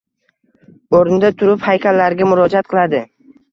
O’rnida turib haykallarga murojaat qiladi.